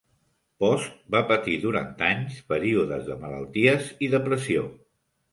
Post va patir durant anys períodes de malalties i depressió.